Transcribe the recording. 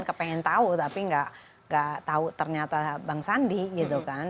kepengen tau tapi gak tau ternyata bang sandi gitu kan